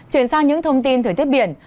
chuyển sang những thông tin thời tiết biển